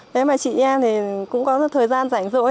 thế mà chị em thì cũng có thời gian rảnh rỗi